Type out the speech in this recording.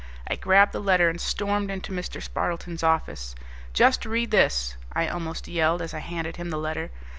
I grabbed the letter and stormed into Mr. Spardleton's office. "Just read this," I almost yelled as I handed him the letter.